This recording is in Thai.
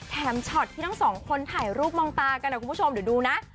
ช็อตที่ทั้งสองคนถ่ายรูปมองตากันนะคุณผู้ชมเดี๋ยวดูนะ